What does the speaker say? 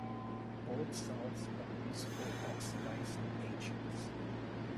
Both salts are useful oxidising agents.